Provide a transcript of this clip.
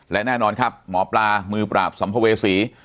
และแน่นอนครับหมอปลามือปราบสัมภเวษี